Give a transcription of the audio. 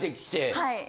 はい。